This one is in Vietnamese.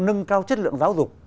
nâng cao chất lượng giáo dục